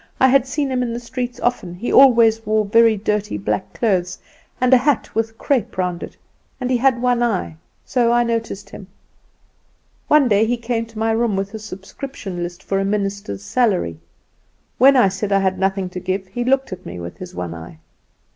I had seen him in the streets often; he always wore very dirty black clothes, and a hat with crepe round it, and he had one eye, so I noticed him. One day he came to my room with a subscription list for a minister's salary. When I said I had nothing to give he looked at me with his one eye.